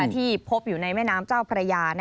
ที่พบอยู่ในแม่น้ำเจ้าพระยา